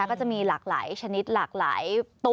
ก็จะมีหลากหลายชนิดหลากหลายตัว